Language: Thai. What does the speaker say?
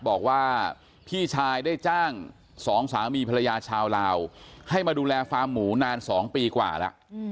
บอกว่าพี่ชายได้จ้างสองสามีภรรยาชาวลาวให้มาดูแลฟาร์มหมูนาน๒ปีกว่าแล้ว